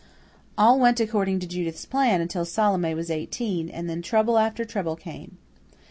All went according to Judith's planning until Salome was eighteen, and then trouble after trouble came.